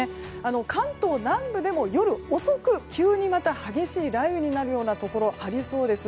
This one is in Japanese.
関東南部でも夜遅く急にまた激しい雷雨になるところありそうです。